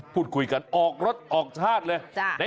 พูดคุยกันออกรถออกชาติเลย